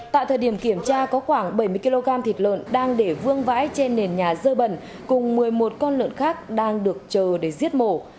tại thời điểm kiểm tra có khoảng bảy mươi kg thịt lợn đang để vương vãi trên nền nhà dơ bẩn cùng một mươi một con lợn khác đang được chờ để giết mổ